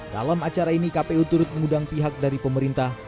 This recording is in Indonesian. dalam acara ini kpu turut mengundang pihak dari pemerintah